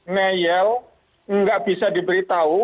nggak bisa diberitahu